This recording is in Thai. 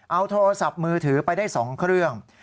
เอาโทรศัพท์มือถือไปได้๒เครื่อง